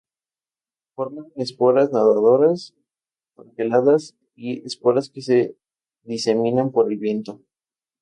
Forman esporas nadadoras flageladas y esporas que se diseminan por el viento.